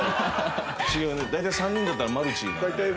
大体３人だったらマルチ。